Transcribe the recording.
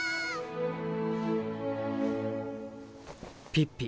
ピッピ